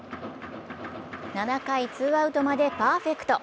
７回ツーアウトまでパーフェクト。